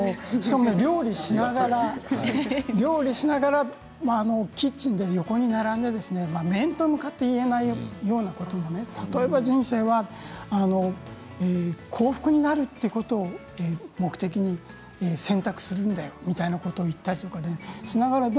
しかも料理しながらキッチンで横に並んで面と向かって言えないようなことも例えば人生は幸福になるということを目的に選択するんだよみたいなことを言ったりするんです。